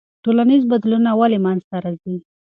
ټولنیز بدلونونه ولې منځ ته راځي؟